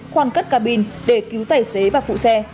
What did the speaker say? khoan cất cabin để cứu tài xế và phụ xe